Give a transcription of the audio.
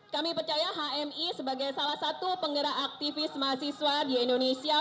kami percaya hmi sebagai salah satu penggerak aktivis mahasiswa di indonesia